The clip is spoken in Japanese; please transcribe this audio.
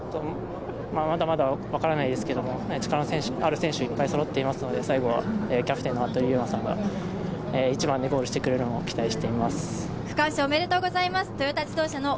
まだまだ分からないですけど、力のある選手がいっぱいそろっていますので最後はキャプテンの服部勇馬さんが一番でゴールしてくれるのを期待しています。